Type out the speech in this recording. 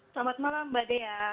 selamat malam mbak dea